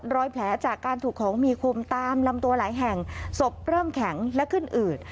รอยแผลจากการถูกของมีคมตามลำตัวหลายแห่งศพเริ่มแข็งและขึ้นอืด